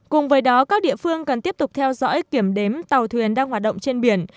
cùng với đó các địa phương cần tiếp tục theo dõi kiểm đếm tàu thuyền đang hoạt động trên biển